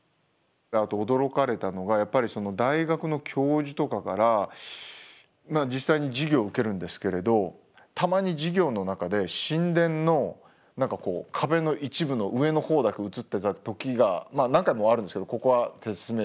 あと驚かれたのがやっぱり大学の教授とかからまあ実際に授業を受けるんですけれどたまに授業の中で神殿の壁の一部の上のほうだけ映ってた時が何回もあるんですけどここは説明する時に。